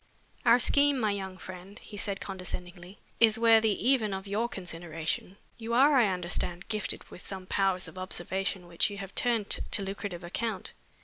"Our scheme, my young friend," He said condescendingly, "is worthy even of your consideration. You are, I understand, gifted with some powers of observation which you have turned to lucrative account.